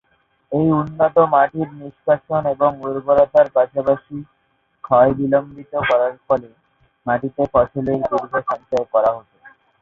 এই উন্নত মাটির নিষ্কাশন এবং উর্বরতার পাশাপাশি ক্ষয় বিলম্বিত করার ফলে মাটিতে ফসলের দীর্ঘ সঞ্চয় করা হতো।